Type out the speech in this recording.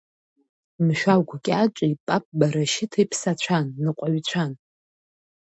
Мшәагә-кьаҿи Папба Рашьыҭи ԥсацәан, ныҟәаҩцәан.